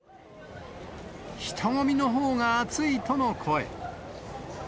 人混みのほうが暑いとの声。